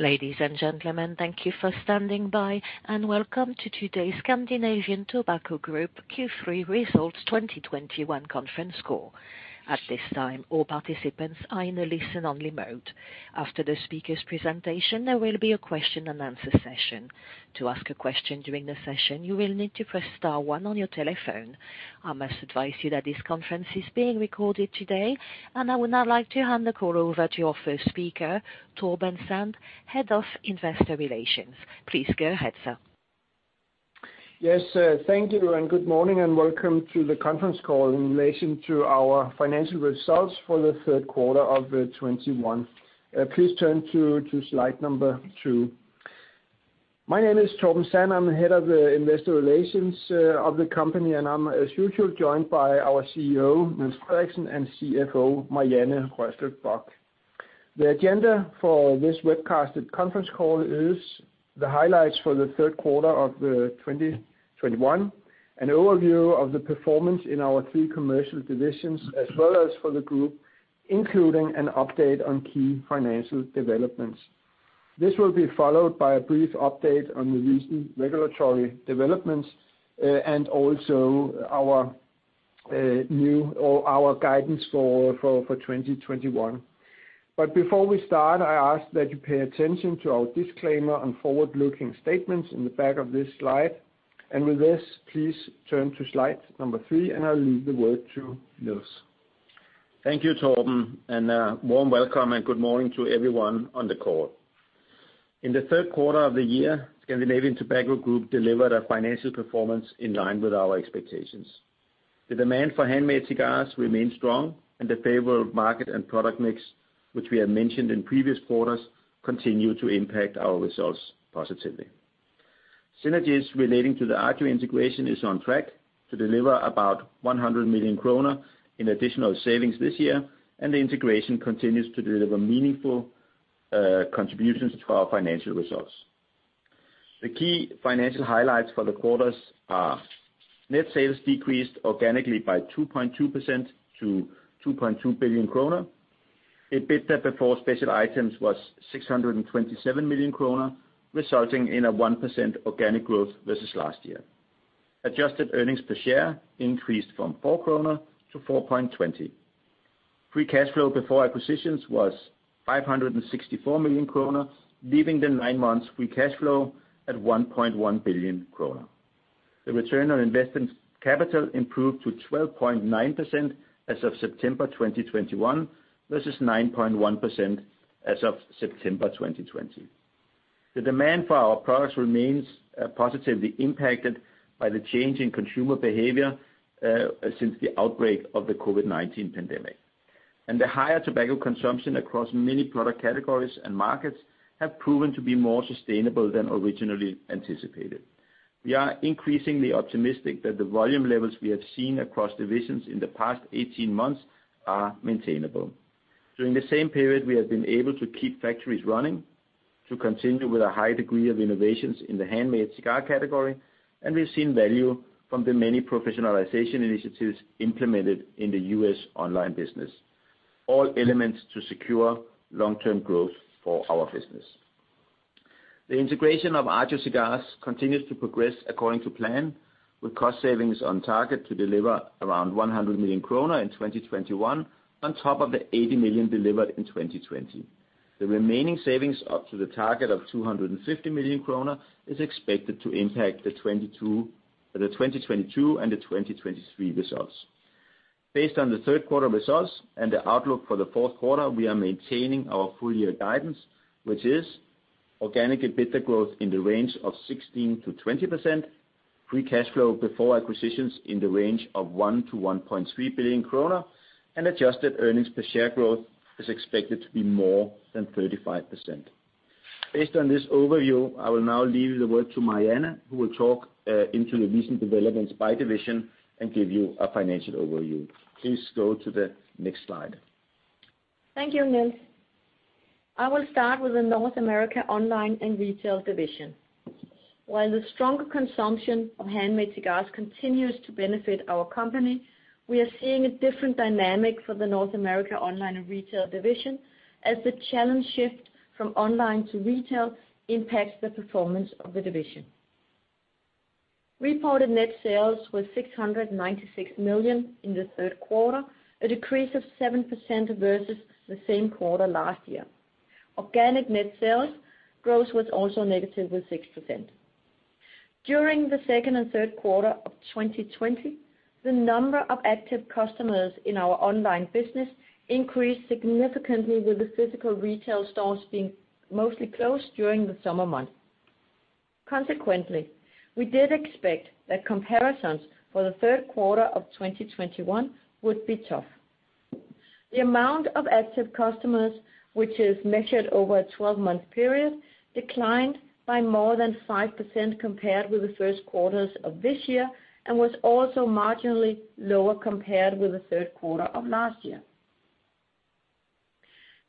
Ladies and gentlemen, thank you for standing by and welcome to today's Scandinavian Tobacco Group Q3 Results 2021 conference call. At this time, all participants are in a listen only mode. After the speaker's presentation, there will be a question and answer session. To ask a question during the session, you will need to press star one on your telephone. I must advise you that this conference is being recorded today, and I would now like to hand the call over to our first speaker, Torben Sand, Head of Investor Relations. Please go ahead, sir. Yes, thank you, and good morning and welcome to the conference call in relation to our financial results for the Q3 of 2021. Please turn to slide number two. My name is Torben Sand. I'm the Head of Investor Relations of the company, and I'm as usual joined by our CEO, Niels Frederiksen, and CFO, Marianne Rørslev Bock. The agenda for this webcasted conference call is the highlights for the Q3 of 2021, an overview of the performance in our three commercial divisions as well as for the group, including an update on key financial developments. This will be followed by a brief update on the recent regulatory developments, and also our new or our guidance for 2021. Before we start, I ask that you pay attention to our disclaimer on forward-looking statements in the back of this slide. With this, please turn to slide number three, and I'll leave the word to Niels. Thank you, Torben, and a warm welcome and good morning to everyone on the call. In the Q3 of the year, Scandinavian Tobacco Group delivered a financial performance in line with our expectations. The demand for handmade cigars remained strong, and the favorable market and product mix, which we have mentioned in previous quarters, continue to impact our results positively. Synergies relating to the Agio integration is on track to deliver about 100 million kroner in additional savings this year, and the integration continues to deliver meaningful contributions to our financial results. The key financial highlights for the quarters are net sales decreased organically by 2.2% to 2.2 billion kroner. EBITDA before special items was 627 million kroner, resulting in a 1% organic growth versus last year. Adjusted earnings per share increased from 4 kroner to 4.20. Free cash flow before acquisitions was 564 million kroner, leaving the nine months free cash flow at 1.1 billion kroner. The return on investment capital improved to 12.9% as of September 2021 versus 9.1% as of September 2020. The demand for our products remains positively impacted by the change in consumer behavior since the outbreak of the COVID-19 pandemic. The higher tobacco consumption across many product categories and markets have proven to be more sustainable than originally anticipated. We are increasingly optimistic that the volume levels we have seen across divisions in the past 18 months are maintainable. During the same period, we have been able to keep factories running, to continue with a high degree of innovations in the handmade cigar category, and we've seen value from the many professionalization initiatives implemented in the U.S. online business. All elements to secure long-term growth for our business. The integration of Agio Cigars continues to progress according to plan, with cost savings on target to deliver around 100 million kroner in 2021 on top of the 80 million delivered in 2020. The remaining savings up to the target of 250 million kroner is expected to impact the 2022 and the 2023 results. Based on the Q3 results and the outlook for the Q4, we are maintaining our full year guidance, which is organic EBITDA growth in the range of 16%-20%, free cash flow before acquisitions in the range of 1 billion-1.3 billion krone, and adjusted earnings per share growth is expected to be more than 35%. Based on this overview, I will now leave the word to Marianne, who will dive into the recent developments by division and give you a financial overview. Please go to the next slide. Thank you, Niels. I will start with the North America Online & Retail division. While the strong consumption of handmade cigars continues to benefit our company, we are seeing a different dynamic for the North America Online & Retail division as the challenges shift from online to retail impacts the performance of the division. Reported net sales was 696 million in the Q3, a decrease of 7% versus the same quarter last year. Organic net sales growth was also negative 6%. During the Q2 and Q3 of 2020, the number of active customers in our online business increased significantly with the physical retail stores being mostly closed during the summer months. Consequently, we did expect that comparisons for the Q3 of 2021 would be tough. The amount of active customers, which is measured over a 12-month period, declined by more than 5% compared with the Q1s of this year and was also marginally lower compared with the Q3 of last year.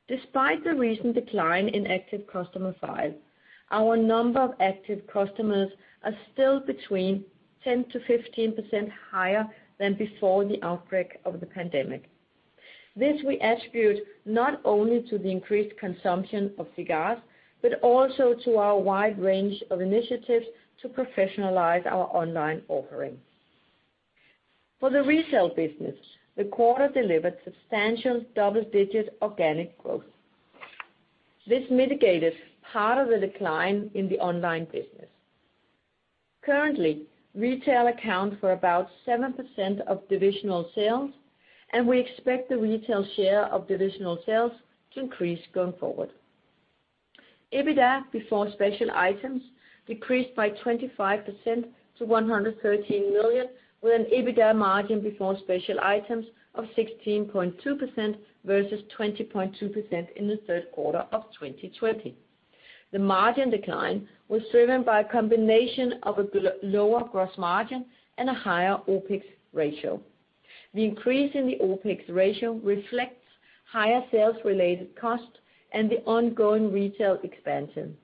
Despite the recent decline in active customer size, our number of active customers are still between 10%-15% higher than before the outbreak of the pandemic. This we attribute not only to the increased consumption of cigars, but also to our wide range of initiatives to professionalize our online offering. For the retail business, the quarter delivered substantial double-digit organic growth. This mitigated part of the decline in the online business. Currently, retail accounts for about 7% of divisional sales, and we expect the retail share of divisional sales to increase going forward. EBITDA before special items decreased by 25% to 113 million, with an EBITDA margin before special items of 16.2% versus 20.2% in the Q3 of 2020. The margin decline was driven by a combination of a lower gross margin and a higher OpEx ratio. The increase in the OpEx ratio reflects higher sales related costs and the ongoing retail expansion.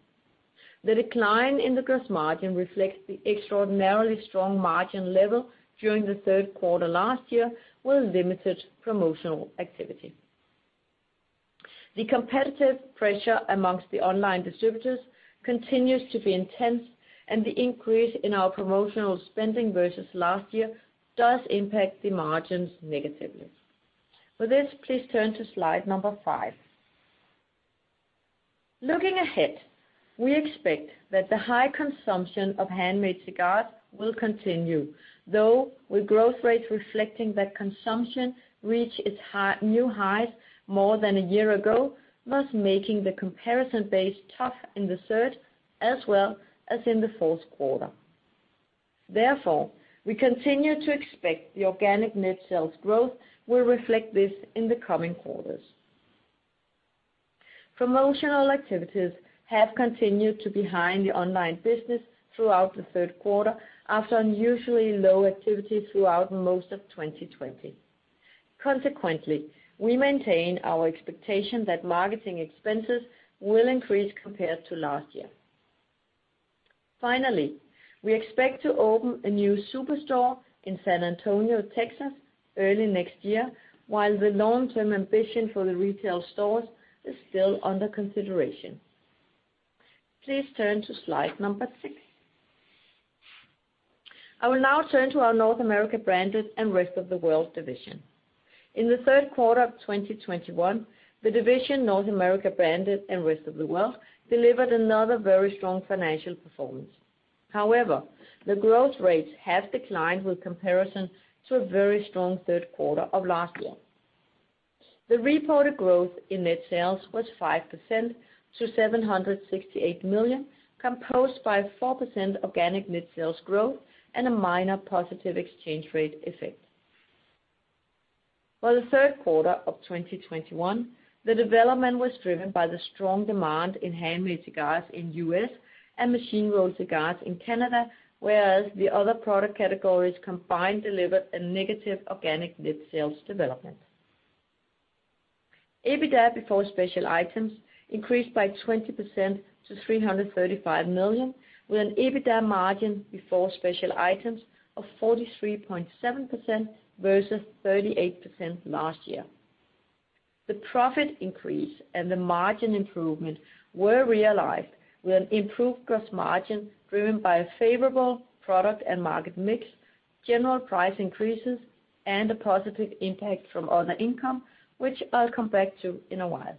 The decline in the gross margin reflects the extraordinarily strong margin level during the Q3 last year with limited promotional activity. The competitive pressure among the online distributors continues to be intense, and the increase in our promotional spending versus last year does impact the margins negatively. For this, please turn to slide five. Looking ahead, we expect that the high consumption of handmade cigars will continue, though with growth rates reflecting that consumption reach its high, new highs more than a year ago, thus making the comparison base tough in the third as well as in the Q4. Therefore, we continue to expect the organic net sales growth will reflect this in the coming quarters. Promotional activities have continued to be behind the online business throughout the Q3, after unusually low activity throughout most of 2020. Consequently, we maintain our expectation that marketing expenses will increase compared to last year. Finally, we expect to open a new superstore in San Antonio, Texas early next year, while the long-term ambition for the retail stores is still under consideration. Please turn to slide number six. I will now turn to our North America Branded & RoW division. In the Q3 of 2021, the division North America Branded & RoW delivered another very strong financial performance. However, the growth rates have declined in comparison to a very strong Q3 of last year. The reported growth in net sales was 5% to 768 million, composed of 4% organic net sales growth and a minor positive exchange rate effect. For the Q3 of 2021, the development was driven by the strong demand in handmade cigars in the U.S. and machine-rolled cigars in Canada, whereas the other product categories combined delivered a negative organic net sales development. EBITDA before special items increased by 20% to 335 million, with an EBITDA margin before special items of 43.7% versus 38% last year. The profit increase and the margin improvement were realized with an improved gross margin driven by a favorable product and market mix, general price increases, and a positive impact from other income, which I'll come back to in a while.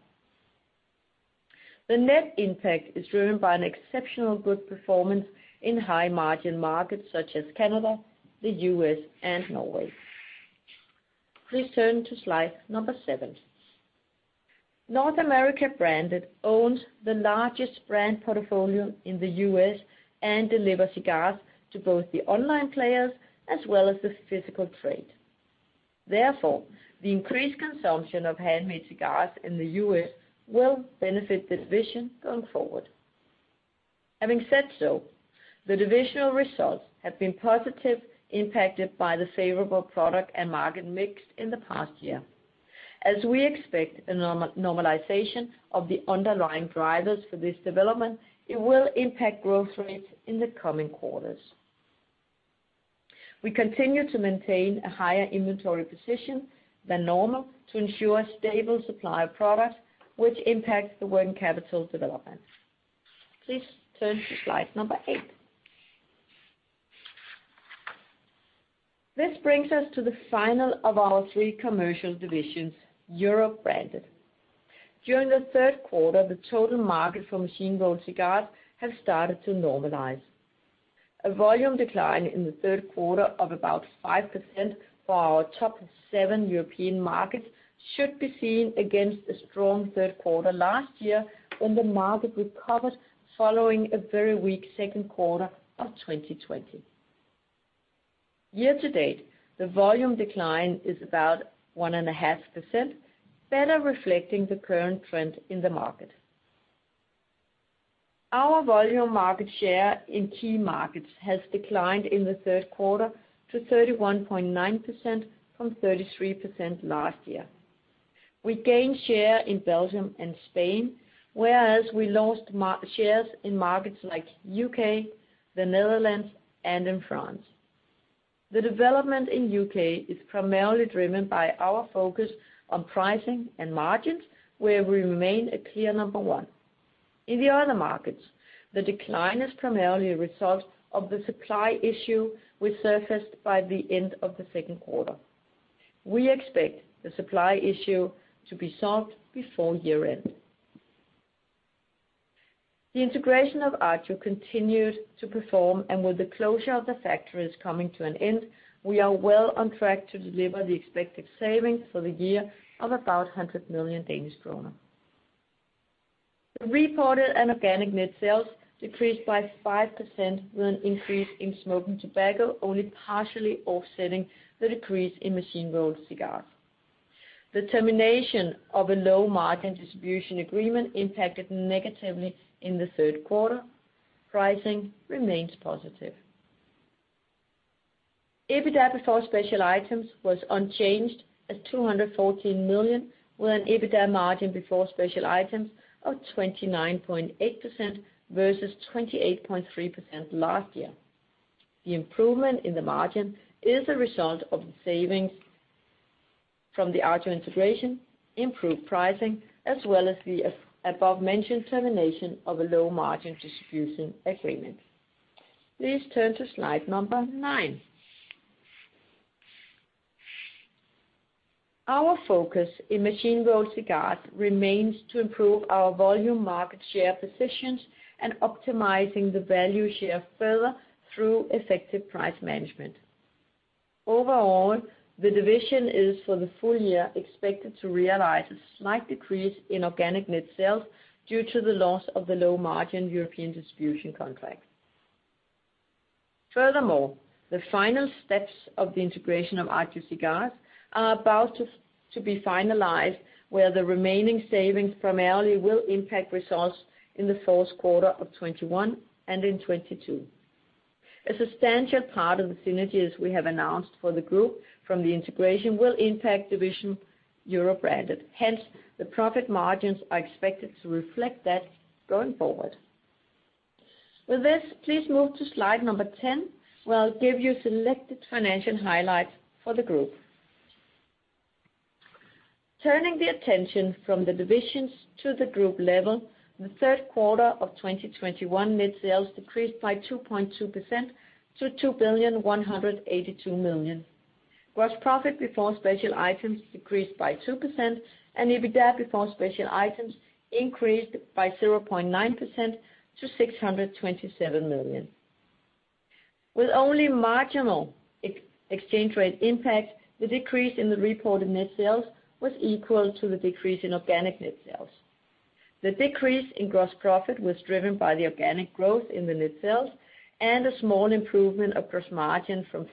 The net impact is driven by an exceptionally good performance in high-margin markets such as Canada, the U.S., and Norway. Please turn to slide number seven. North America Branded owns the largest brand portfolio in the U.S. and deliver cigars to both the online players as well as the physical trade. Therefore, the increased consumption of handmade cigars in the U.S. will benefit the division going forward. Having said so, the divisional results have been positive, impacted by the favorable product and market mix in the past year. As we expect a normalization of the underlying drivers for this development, it will impact growth rates in the coming quarters. We continue to maintain a higher inventory position than normal to ensure stable supply of product, which impacts the working capital development. Please turn to slide eight. This brings us to the final of our three commercial divisions, Europe Branded. During the Q3, the total market for machine-rolled cigars has started to normalize. A volume decline in the Q3 of about 5% for our top seven European markets should be seen against a strong Q3 last year when the market recovered following a very weak Q2 of 2020. Year-to-date, the volume decline is about 1.5%, better reflecting the current trend in the market. Our volume market share in key markets has declined in the Q3 to 31.9% from 33% last year. We gained share in Belgium and Spain, whereas we lost market shares in markets like the U.K., the Netherlands, and in France. The development in the U.K. is primarily driven by our focus on pricing and margins, where we remain a clear number one. In the other markets, the decline is primarily a result of the supply issue which surfaced by the end of the Q2. We expect the supply issue to be solved before year-end. The integration of Agio continued to perform, and with the closure of the factories coming to an end, we are well on track to deliver the expected savings for the year of about 100 million Danish kroner. The reported and organic net sales decreased by 5% with an increase in smoking tobacco, only partially offsetting the decrease in machine-rolled cigars. The termination of a low-margin distribution agreement impacted negatively in the Q3. Pricing remains positive. EBITDA before special items was unchanged at 214 million, with an EBITDA margin before special items of 29.8% versus 28.3% last year. The improvement in the margin is a result of the savings from the Agio integration, improved pricing, as well as the above-mentioned termination of a low-margin distribution agreement. Please turn to slide nine. Our focus in machine-rolled cigars remains to improve our volume market share positions and optimizing the value share further through effective price management. Overall, the division is, for the full year, expected to realize a slight decrease in organic net sales due to the loss of the low-margin European distribution contract. Furthermore, the final steps of the integration of Agio Cigars are about to be finalized, where the remaining savings primarily will impact results in the Q1 of 2021 and in 2022. A substantial part of the synergies we have announced for the group from the integration will impact division Europe Branded, hence the profit margins are expected to reflect that going forward. With this, please move to slide number 10, where I'll give you selected financial highlights for the group. Turning the attention from the divisions to the group level, the Q3 of 2021 net sales decreased by 2.2% to 2,182 million. Gross profit before special items decreased by 2%, and EBITDA before special items increased by 0.9% to 627 million. With only marginal ex-exchange rate impact, the decrease in the reported net sales was equal to the decrease in organic net sales. The decrease in gross profit was driven by the organic growth in the net sales and a small improvement of gross margin from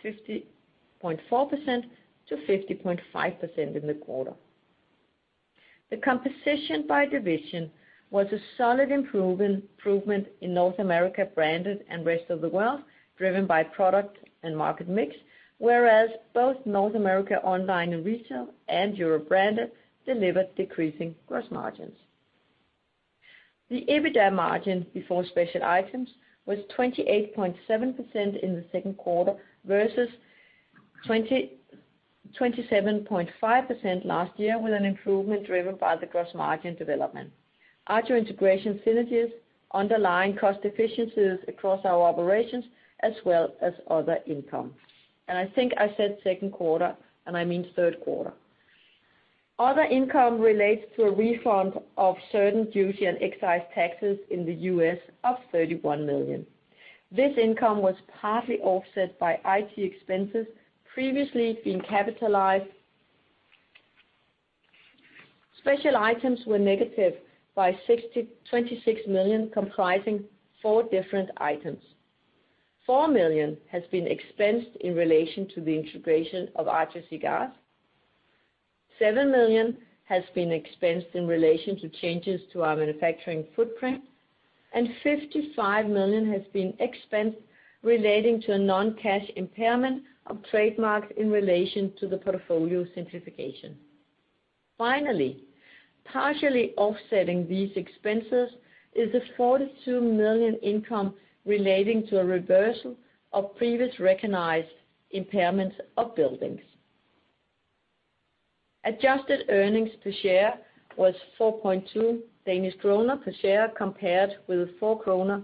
50.4% to 50.5% in the quarter. The composition by division was a solid improvement in North America Branded & RoW, driven by product and market mix, whereas both North America Online & Retail and Europe Branded delivered decreasing gross margins. The EBITDA margin before special items was 28.7% in the Q2 versus 27.5% last year, with an improvement driven by the gross margin development, Agio integration synergies, underlying cost efficiencies across our operations, as well as other income. I think I said Q2, and I mean Q3. Other income relates to a refund of certain duty and excise taxes in the U.S. of 31 million. This income was partly offset by IT expenses previously being capitalized. Special items were negative by 26 million, comprising four different items. 4 million has been expensed in relation to the integration of Agio Cigars, 7 million has been expensed in relation to changes to our manufacturing footprint, and 55 million has been expensed relating to a non-cash impairment of trademarks in relation to the portfolio simplification. Finally, partially offsetting these expenses is the 42 million income relating to a reversal of previous recognized impairments of buildings. Adjusted earnings per share was 4.2 Danish kroner per share compared with 4 kroner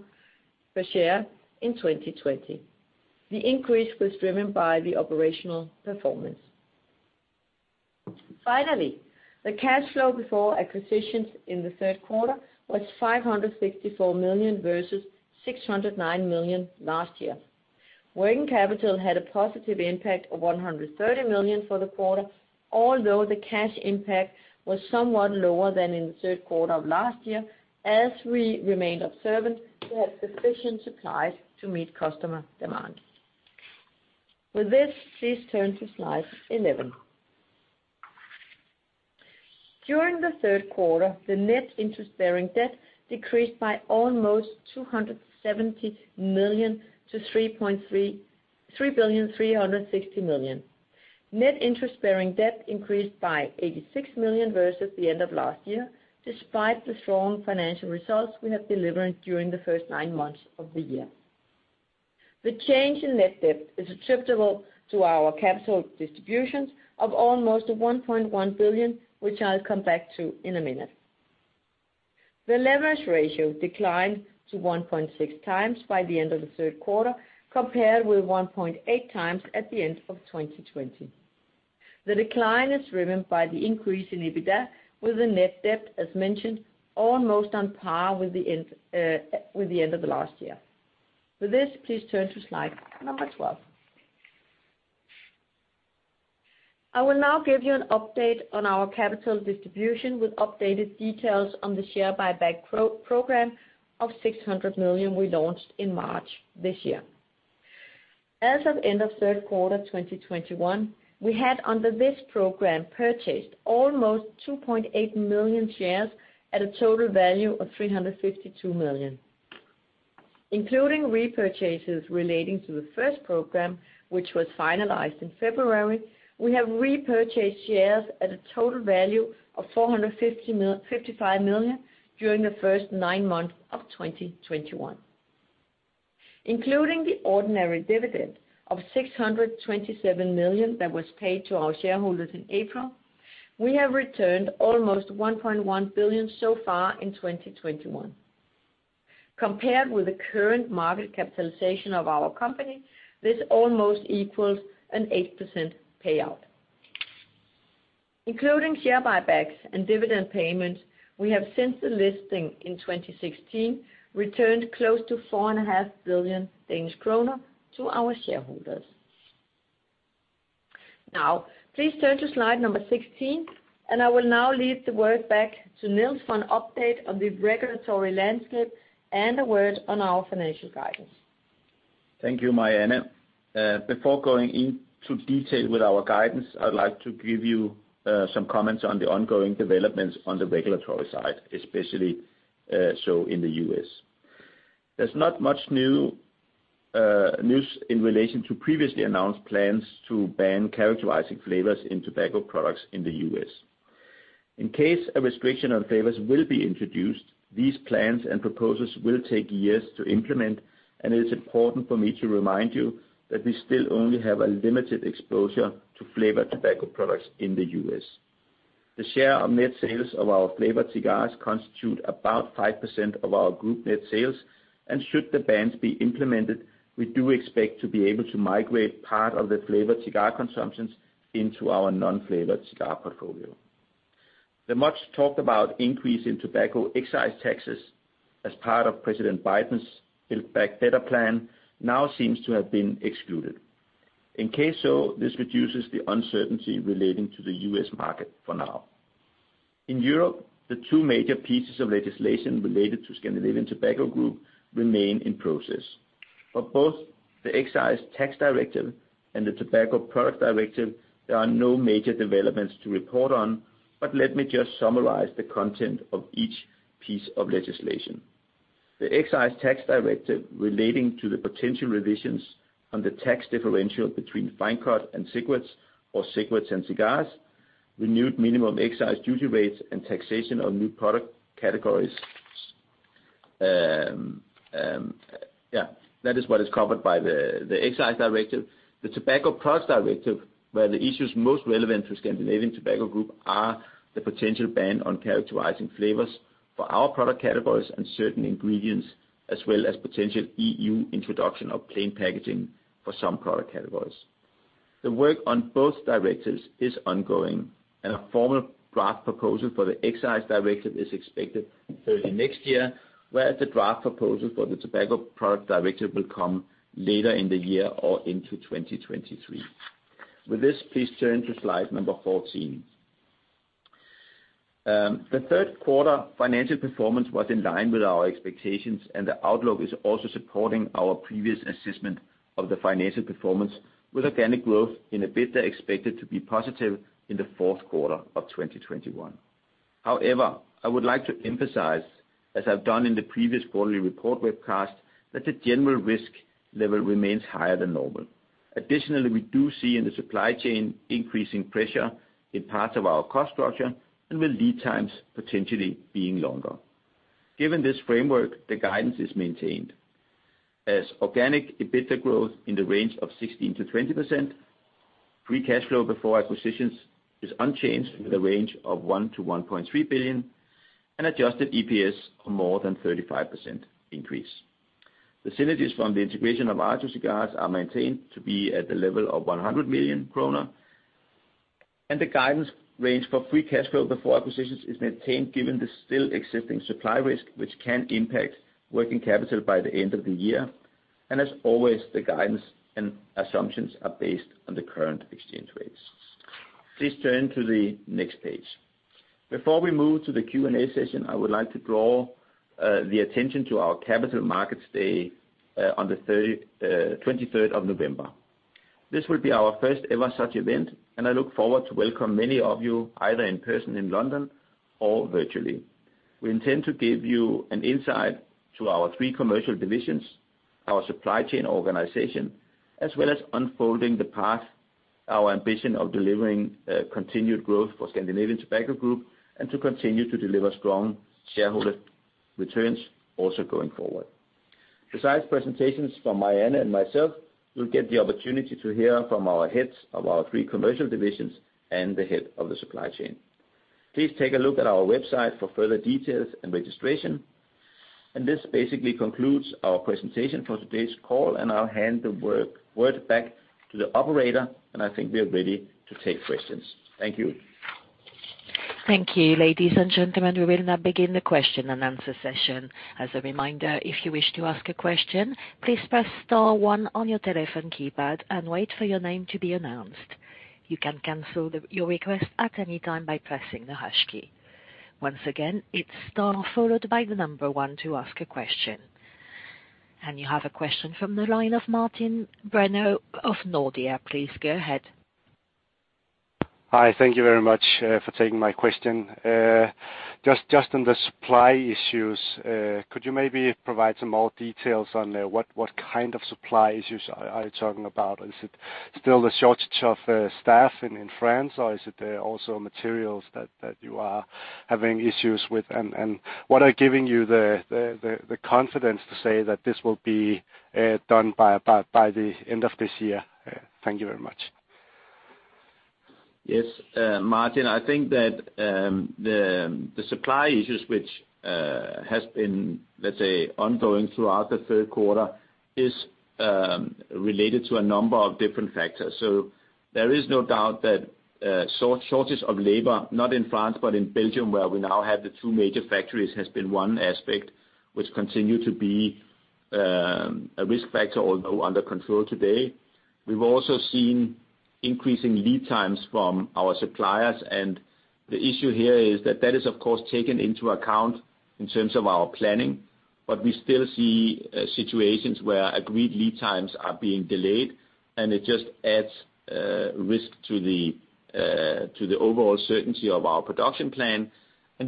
per share in 2020. The increase was driven by the operational performance. Finally, the cash flow before acquisitions in the Q3 was 564 million versus 609 million last year. Working capital had a positive impact of 130 million for the quarter, although the cash impact was somewhat lower than in the Q3 of last year, as we remained observant to have sufficient supplies to meet customer demand. With this, please turn to slide 11. During the Q3, the net interest-bearing debt decreased by almost 270 million to 3.36 billion. Net interest-bearing debt increased by 86 million, versus the end of last year, despite the strong financial results we have delivered during the first nine months of the year. The change in net debt is attributable to our capital distributions of almost 1.1 billion, which I'll come back to in a minute. The leverage ratio declined to 1.6x by the end of the Q3, compared with 1.8 times at the end of 2020. The decline is driven by the increase in EBITDA, with the net debt, as mentioned, almost on par with the end, with the end of the last year. For this, please turn to slide 12. I will now give you an update on our capital distribution, with updated details on the share buyback program of 600 million we launched in March this year. As of the end of Q3 2021, we had under this program purchased almost 2.8 million shares at a total value of 352 million. Including repurchases relating to the first program, which was finalized in February, we have repurchased shares at a total value of 455 million during the first nine months of 2021. Including the ordinary dividend of 627 million that was paid to our shareholders in April, we have returned almost 1.1 billion so far in 2021. Compared with the current market capitalization of our company, this almost equals an 8% payout. Including share buybacks and dividend payments, we have, since the listing in 2016, returned close to 4.5 billion Danish kroner to our shareholders. Now, please turn to slide number 16, and I will now leave the word back to Niels for an update on the regulatory landscape and a word on our financial guidance. Thank you, Marianne. Before going into detail with our guidance, I'd like to give you some comments on the ongoing developments on the regulatory side, especially so in the U.S. There's not much new news in relation to previously announced plans to ban characterizing flavors in tobacco products in the U.S. In case a restriction on flavors will be introduced, these plans and proposals will take years to implement, and it is important for me to remind you that we still only have a limited exposure to flavored tobacco products in the U.S. The share of net sales of our flavored cigars constitute about 5% of our group net sales, and should the bans be implemented, we do expect to be able to migrate part of the flavored cigar consumptions into our non-flavored cigar portfolio. The much talked about increase in tobacco excise taxes as part of President Biden's Build Back Better plan now seems to have been excluded. In that case, this reduces the uncertainty relating to the U.S. market for now. In Europe, the two major pieces of legislation related to Scandinavian Tobacco Group remain in process. For both the Excise Tax Directive and the Tobacco Products Directive, there are no major developments to report on, but let me just summarize the content of each piece of legislation. The Excise Tax Directive relating to the potential revisions on the tax differential between fine-cut and cigarettes, or cigarettes and cigars, renewed minimum excise duty rates, and taxation on new product categories. That is what is covered by the Excise Directive. The Tobacco Products Directive, where the issues most relevant to Scandinavian Tobacco Group are the potential ban on characterizing flavors for our product categories and certain ingredients, as well as potential EU introduction of plain packaging for some product categories. The work on both directives is ongoing, and a formal draft proposal for the Excise Directive is expected early next year, whereas the draft proposal for the Tobacco Products Directive will come later in the year or into 2023. With this, please turn to slide 14. The Q3 financial performance was in line with our expectations, and the outlook is also supporting our previous assessment of the financial performance, with organic growth in EBITDA expected to be positive in the Q4 of 2021. However, I would like to emphasize, as I've done in the previous quarterly report webcast, that the general risk level remains higher than normal. Additionally, we do see in the supply chain increasing pressure in parts of our cost structure and with lead times potentially being longer. Given this framework, the guidance is maintained as organic EBITDA growth in the range of 16%-20%, free cash flow before acquisitions is unchanged with a range of 1 billion-1.3 billion, and adjusted EPS of more than 35% increase. The synergies from the integration of Agio Cigars are maintained to be at the level of 100 million kroner, and the guidance range for free cash flow before acquisitions is maintained given the still existing supply risk, which can impact working capital by the end of the year. As always, the guidance and assumptions are based on the current exchange rates. Please turn to the next page. Before we move to the Q&A session, I would like to draw the attention to our Capital Markets Day on the 23 November. This will be our first ever such event, and I look forward to welcome many of you either in person in London or virtually. We intend to give you an insight to our three commercial divisions, our supply chain organization, as well as unfolding the path, our ambition of delivering continued growth for Scandinavian Tobacco Group and to continue to deliver strong shareholder returns also going forward. Besides presentations from Marianne and myself, you'll get the opportunity to hear from our heads of our three commercial divisions and the head of the supply chain. Please take a look at our website for further details and registration. This basically concludes our presentation for today's call, and I'll hand the word back to the operator, and I think we are ready to take questions. Thank you. Thank you. Ladies and gentlemen, we will now begin the question-and-answer session. As a reminder, if you wish to ask a question, please press star one on your telephone keypad and wait for your name to be announced. You can cancel your request at any time by pressing the hash key. Once again, it's star followed by the number one to ask a question. You have a question from the line of Martin Brenøe of Nordea. Please go ahead. Hi. Thank you very much for taking my question. Just on the supply issues, could you maybe provide some more details on what kind of supply issues are you talking about? Is it still the shortage of staff in France, or is it also materials that you are having issues with? What are giving you the confidence to say that this will be done by about the end of this year? Thank you very much. Yes, Martin, I think that the supply issues which has been, let's say, ongoing throughout the Q3 is related to a number of different factors. There is no doubt that shortage of labor, not in France, but in Belgium, where we now have the two major factories, has been one aspect which continue to be a risk factor, although under control today. We've also seen increasing lead times from our suppliers, and the issue here is that is, of course, taken into account in terms of our planning, but we still see situations where agreed lead times are being delayed, and it just adds risk to the overall certainty of our production plan.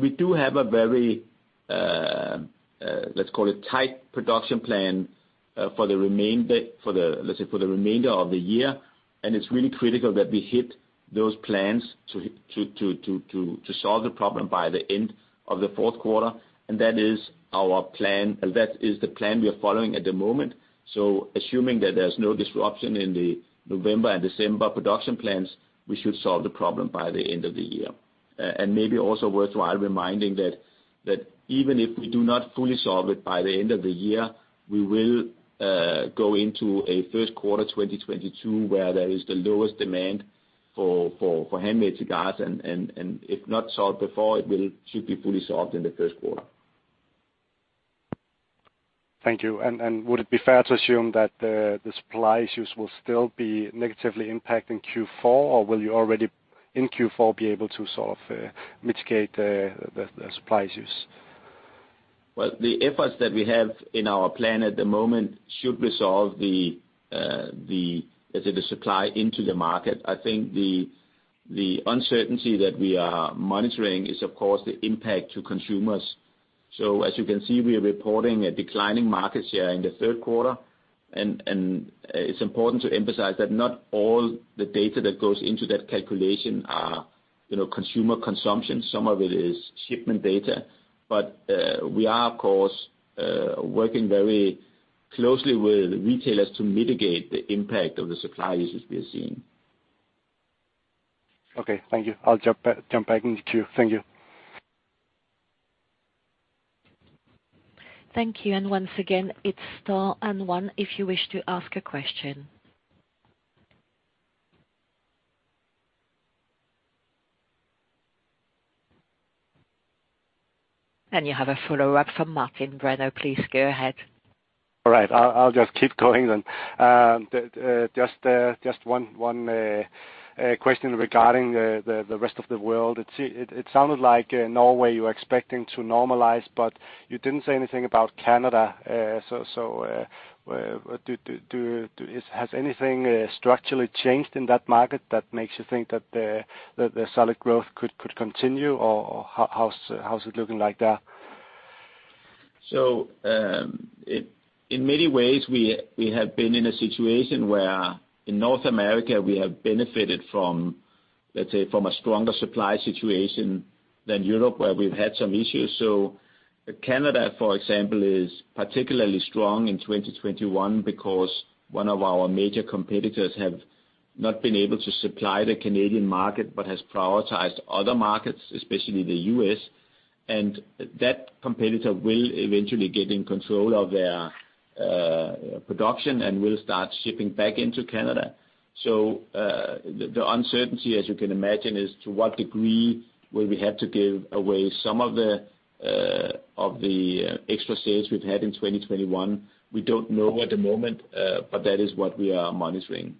We do have a very, let's call it, tight production plan for the remainder of the year. It's really critical that we hit those plans to solve the problem by the end of the Q4, and that is our plan, and that is the plan we are following at the moment. Assuming that there's no disruption in the November and December production plans, we should solve the problem by the end of the year. Maybe also worthwhile reminding that even if we do not fully solve it by the end of the year, we will go into a Q1 2022, where there is the lowest demand for handmade cigars. If not solved before, it should be fully solved in the Q1. Thank you. Would it be fair to assume that the supply issues will still be negatively impacting Q4, or will you already in Q4 be able to sort of mitigate the supply issues? Well, the efforts that we have in our plan at the moment should resolve the, let's say, the supply into the market. I think the uncertainty that we are monitoring is, of course, the impact to consumers. As you can see, we are reporting a declining market share in the Q3. It's important to emphasize that not all the data that goes into that calculation are, you know, consumer consumption. Some of it is shipment data. We are, of course, working very closely with retailers to mitigate the impact of the supply issues we're seeing. Okay, thank you. I'll jump back in the queue. Thank you. Thank you. Once again, it's star and one if you wish to ask a question. You have a follow-up from Martin Brenøe. Please go ahead. All right. I'll just keep going then. Just one question regarding the rest of the world. It sounded like in Norway you were expecting to normalize, but you didn't say anything about Canada. So, has anything structurally changed in that market that makes you think that the solid growth could continue, or how's it looking like there? In many ways we have been in a situation where in North America, we have benefited from, let's say, from a stronger supply situation than Europe, where we've had some issues. Canada, for example, is particularly strong in 2021 because one of our major competitors have not been able to supply the Canadian market but has prioritized other markets, especially the U.S. That competitor will eventually get in control of their production and will start shipping back into Canada. The uncertainty, as you can imagine, is to what degree will we have to give away some of the extra sales we've had in 2021. We don't know at the moment, but that is what we are monitoring.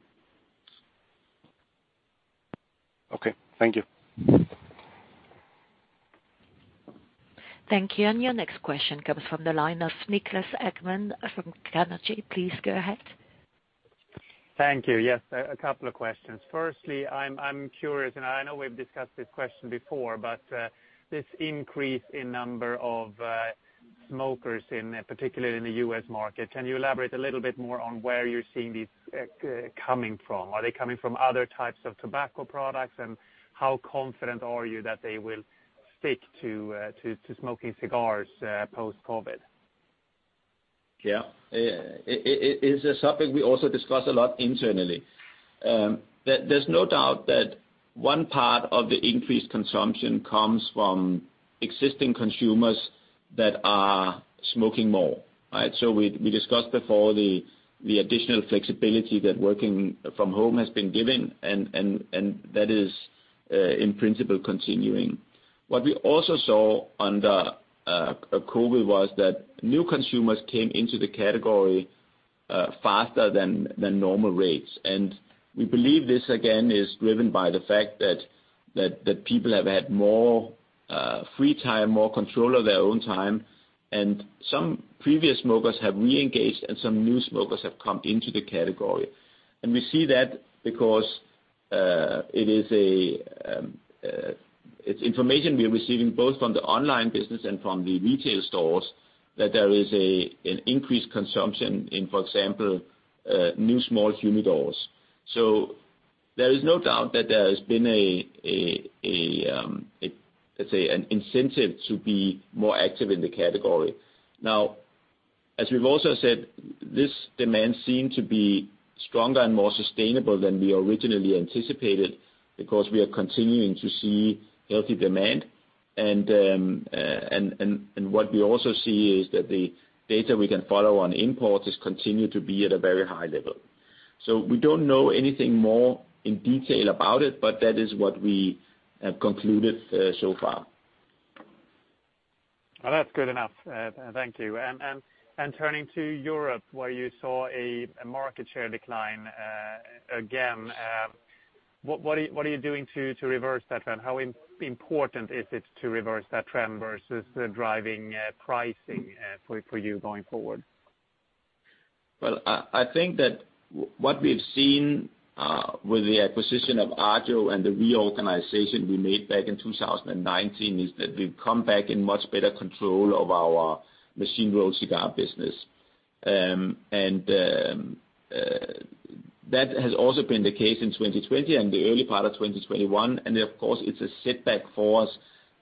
Okay, thank you. Thank you. Your next question comes from the line of Niklas Ekman from Carnegie. Please go ahead. Thank you. Yes, a couple of questions. Firstly, I'm curious, and I know we've discussed this question before, but this increase in number of smokers, particularly in the U.S. market, can you elaborate a little bit more on where you're seeing these coming from? Are they coming from other types of tobacco products? How confident are you that they will stick to smoking cigars post-COVID-19? Yeah. It's a subject we also discuss a lot internally. There's no doubt that one part of the increased consumption comes from existing consumers that are smoking more, right? We discussed before the additional flexibility that working from home has been given, and that is in principle continuing. What we also saw under COVID was that new consumers came into the category faster than normal rates. We believe this, again, is driven by the fact that people have had more free time, more control of their own time, and some previous smokers have re-engaged, and some new smokers have come into the category. We see that because it is information we are receiving both from the online business and from the retail stores that there is an increased consumption in, for example, new small humidors. There is no doubt that there has been an incentive to be more active in the category. Now, as we've also said, this demand seem to be stronger and more sustainable than we originally anticipated because we are continuing to see healthy demand. What we also see is that the data we can follow on imports has continued to be at a very high level. We don't know anything more in detail about it, but that is what we have concluded so far. Well, that's good enough. Thank you. Turning to Europe, where you saw a market share decline again, what are you doing to reverse that trend? How important is it to reverse that trend versus driving pricing for you going forward? I think that what we've seen with the acquisition of Agio and the reorganization we made back in 2019 is that we've come back in much better control of our machine-rolled cigar business. That has also been the case in 2020 and the early part of 2021. Of course, it's a setback for us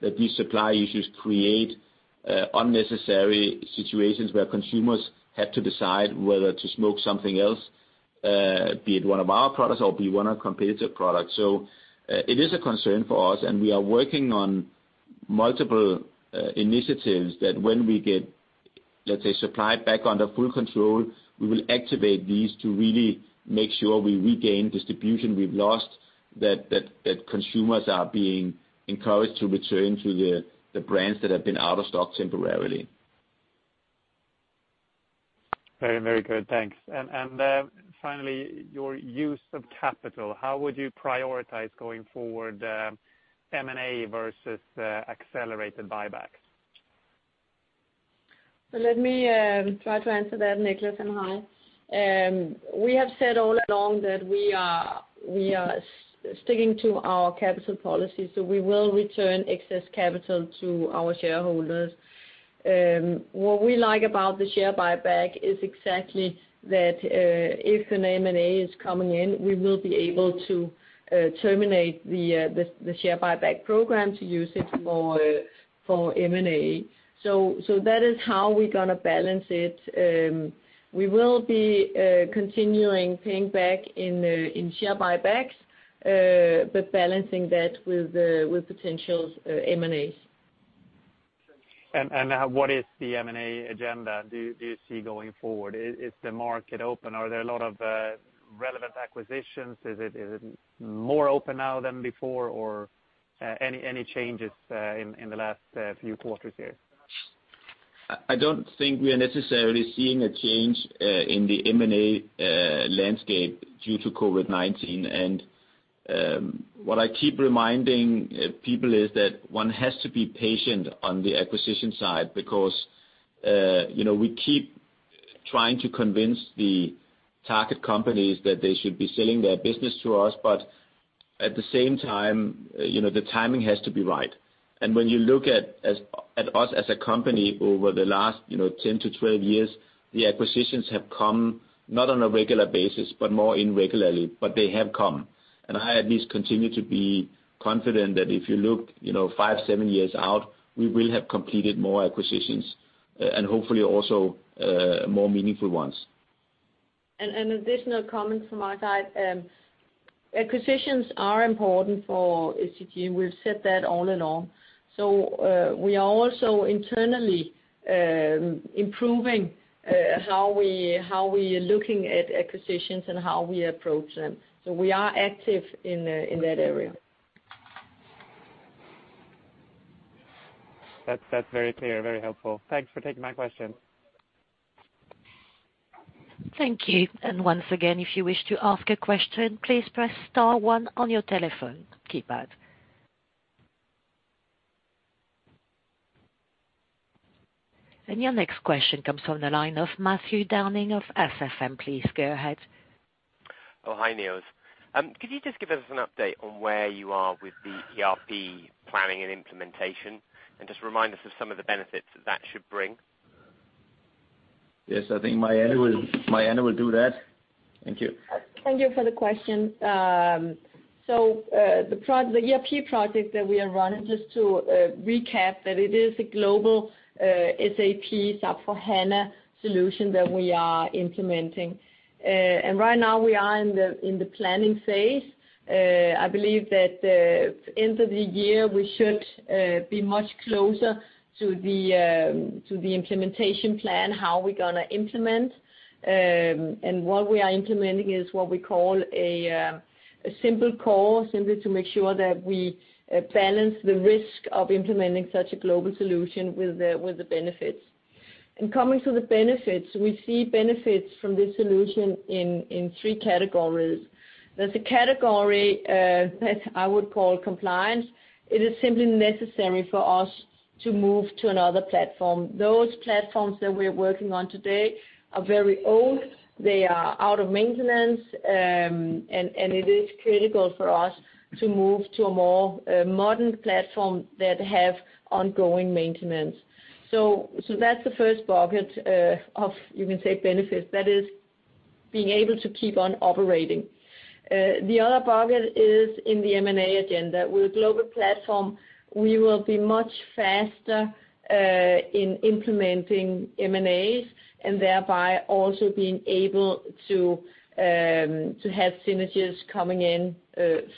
that these supply issues create unnecessary situations where consumers have to decide whether to smoke something else, be it one of our products or be it one of competitor products. It is a concern for us, and we are working on multiple initiatives that when we get, let's say, supply back under full control, we will activate these to really make sure we regain distribution we've lost, that consumers are being encouraged to return to the brands that have been out of stock temporarily. Very, very good. Thanks. Finally, your use of capital, how would you prioritize going forward, M&A versus accelerated buybacks? Let me try to answer that, Niklas, and hi. We have said all along that we are sticking to our capital policy, so we will return excess capital to our shareholders. What we like about the share buyback is exactly that, if an M&A is coming in, we will be able to terminate the share buyback program to use it for M&A. That is how we're gonna balance it. We will be continuing paying back in share buybacks, but balancing that with potential M&As. What is the M&A agenda do you see going forward? Is the market open? Are there a lot of relevant acquisitions? Is it more open now than before? Or any changes in the last few quarters here? I don't think we are necessarily seeing a change in the M&A landscape due to COVID-19. What I keep reminding people is that one has to be patient on the acquisition side because you know, we keep trying to convince the target companies that they should be selling their business to us, but at the same time, you know, the timing has to be right. When you look at us as a company over the last 10-12 years, the acquisitions have come not on a regular basis, but more irregularly, but they have come. I at least continue to be confident that if you look five-seven years out, we will have completed more acquisitions and hopefully also more meaningful ones. An additional comment from my side. Acquisitions are important for STG, and we've said that all along. We are also internally improving how we are looking at acquisitions and how we approach them. We are active in that area. That's very clear, very helpful. Thanks for taking my question. Thank you. Once again, if you wish to ask a question, please press star one on your telephone keypad. Your next question comes from the line of Damian McNeela of Numis. Please go ahead. Oh, hi, Niels. Could you just give us an update on where you are with the ERP planning and implementation, and just remind us of some of the benefits that that should bring? Yes, I think Marianne will do that. Thank you. Thank you for the question. The ERP project that we are running, just to recap, that it is a global SAP S/4HANA solution that we are implementing. Right now we are in the planning phase. I believe that end of the year we should be much closer to the implementation plan, how we're gonna implement. What we are implementing is what we call a simple core, simply to make sure that we balance the risk of implementing such a global solution with the benefits. Coming to the benefits, we see benefits from this solution in three categories. There's a category that I would call compliance. It is simply necessary for us to move to another platform. Those platforms that we're working on today are very old. They are out of maintenance, and it is critical for us to move to a more modern platform that have ongoing maintenance. That's the first bucket of, you can say, benefits. That is being able to keep on operating. The other bucket is in the M&A agenda. With global platform we will be much faster in implementing M&As, and thereby also being able to have synergies coming in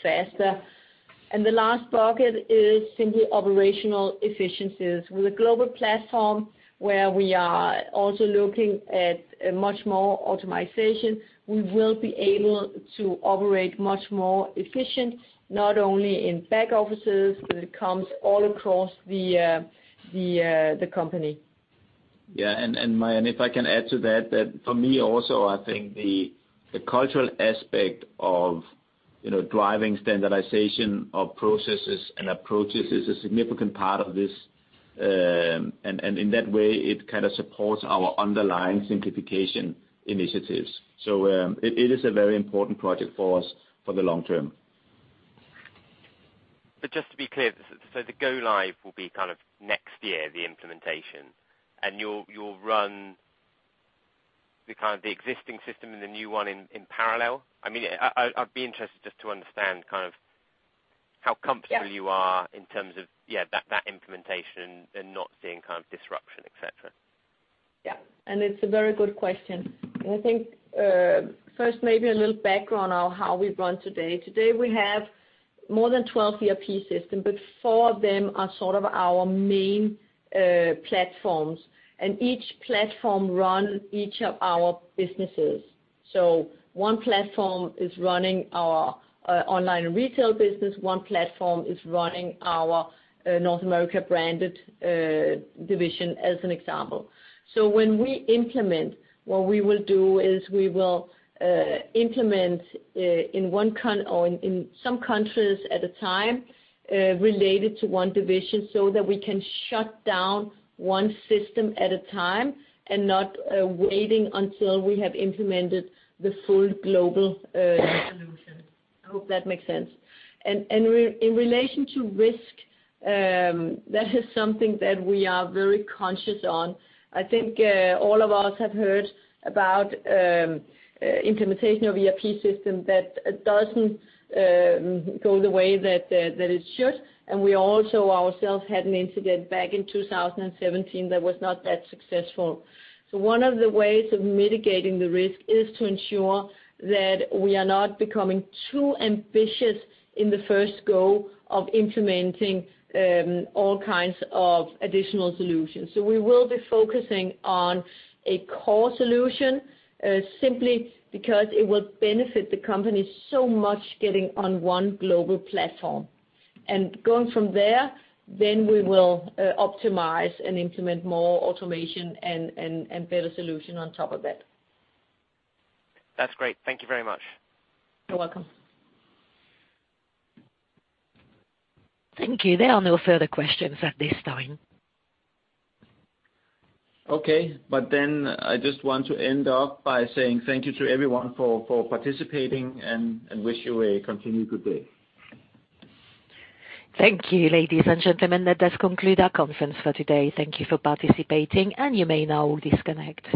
faster. The last bucket is simply operational efficiencies. With a global platform where we are also looking at a much more automation, we will be able to operate much more efficient, not only in back offices, but it comes all across the company. Marianne, if I can add to that for me also I think the cultural aspect of, you know, driving standardization of processes and approaches is a significant part of this. In that way, it kind of supports our underlying simplification initiatives. It is a very important project for us for the long term. Just to be clear, so the go live will be kind of next year, the implementation, and you'll run the, kind of the existing system and the new one in parallel? I mean, I'd be interested just to understand kind of how comfortable. Yeah. You are in terms of, yeah, that implementation and not seeing kind of disruption, et cetera. Yeah. It's a very good question. I think first maybe a little background on how we run today. Today, we have more than 12 ERP systems, but four of them are sort of our main platforms, and each platform runs each of our businesses. One platform is running our Online Retail business, one platform is running our North America Branded division, as an example. When we implement, what we will do is we will implement in one country or in some countries at a time related to one division, so that we can shut down one system at a time and not waiting until we have implemented the full global solution. I hope that makes sense. In relation to risk, that is something that we are very conscious of. I think all of us have heard about implementation of ERP system that doesn't go the way that it should, and we also ourselves had an incident back in 2017 that was not that successful. One of the ways of mitigating the risk is to ensure that we are not becoming too ambitious in the first go of implementing all kinds of additional solutions. We will be focusing on a core solution simply because it will benefit the company so much getting on one global platform. Going from there, then we will optimize and implement more automation and better solution on top of it. That's great. Thank you very much. You're welcome. Thank you. There are no further questions at this time. Okay. I just want to end off by saying thank you to everyone for participating, and wish you a continued good day. Thank you, ladies and gentlemen, that does conclude our conference for today. Thank you for participating, and you may now disconnect.